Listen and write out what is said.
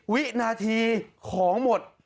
วินาทีของหมด